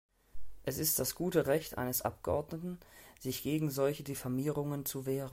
Es ist das gute Recht eines Abgeordneten, sich gegen solche Diffamierungen zu wehren.